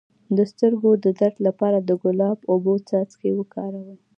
د سترګو د درد لپاره د ګلاب او اوبو څاڅکي وکاروئ